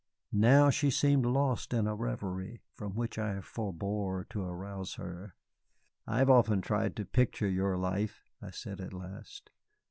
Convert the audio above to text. Now she seemed lost in a revery, from which I forebore to arouse her. "I have often tried to picture your life," I said at last.